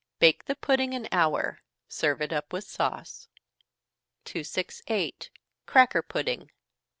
Bake the pudding an hour serve it up with sauce. 268. _Cracker Pudding.